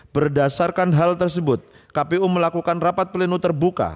berdasarkan hal tersebut kpu melakukan rapat pleno terbuka